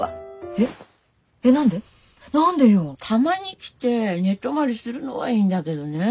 えっ何で何でよ。たまに来て寝泊まりするのはいいんだけどねぇ。